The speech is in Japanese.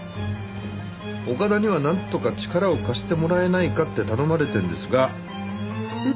岡田にはなんとか力を貸してもらえないかって頼まれてるんですが。